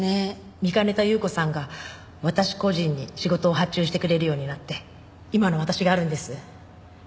見かねた祐子さんが私個人に仕事を発注してくれるようになって今の私があるんです。